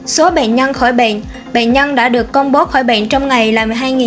số bệnh nhân khỏi bệnh bệnh nhân đã được công bố khỏi bệnh trong ngày là một mươi hai ba trăm bảy mươi năm